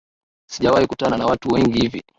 Sijawahi kutana na watu wengi hivi